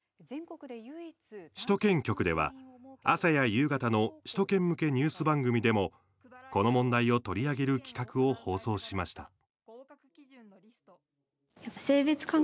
首都圏局では、朝や夕方の首都圏向けニュース番組でもこの問題を取り上げる企画を放送しました。